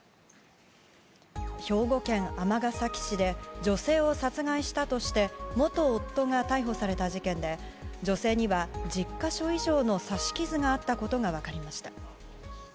兵庫県尼崎市で女性を殺害したとして元夫が逮捕された事件で女性には１０か所以上の刺し傷があったことが分かりました。